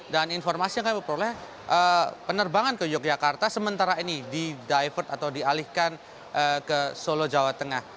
dan informasi yang kami peroleh penerbangan ke yogyakarta sementara ini di divert atau dialihkan ke solo jawa tengah